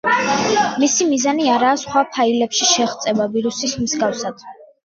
მისი მიზანი არაა სხვა ფაილებში შეღწევა ვირუსის მსგავსად.